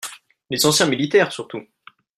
Les anciens militaires, surtout